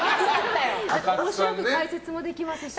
面白く解説もできますし。